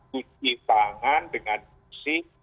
cuci tangan dengan bersih